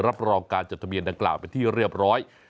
รับรองการจดทะเบียนดังกล่าวเป็นที่เรียบร้อย